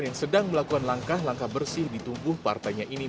yang sedang melakukan langkah langkah bersih ditunggu partainya ini